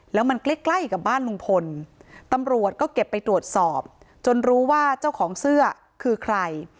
แล้วมันใกล้ใกล้กับบ้านลุงพลตำรวจก็เก็บไปตรวจสอบจนรู้ว่าเจ้าของเสื้อคือใคร